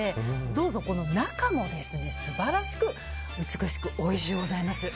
どうぞ中も素晴らしく美しくおいしゅうございます。